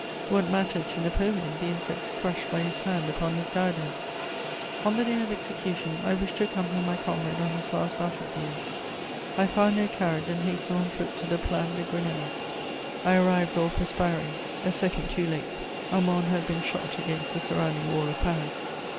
What mattered to Napoleon the insects crushed by his hand upon his diadem? On the day of execution, I wished to accompany my comrade on his last battle field; I found no carriage, and hastened on foot to the Plaine de Grenelle. I arrived, all perspiring, a second too late: Armand had been shot against the surrounding wall of Paris.